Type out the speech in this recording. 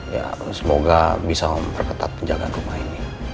ya semoga bisa om perketat penjagaan rumah ini